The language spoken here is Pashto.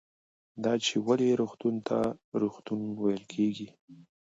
دا چې ولې روغتون ته روغتون ویل کېږي